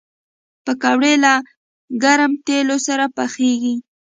پکورې له ګرم تیلو سره پخېږي